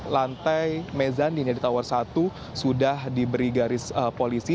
lantai mezanin di tower satu sudah diberi garis polisi